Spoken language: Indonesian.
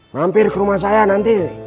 mampir ke rumah saya nanti